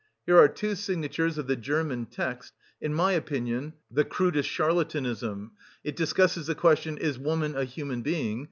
Here are two signatures of the German text in my opinion, the crudest charlatanism; it discusses the question, 'Is woman a human being?